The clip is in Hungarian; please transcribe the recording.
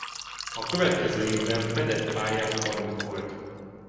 A következő évben fedett pályás bajnok volt.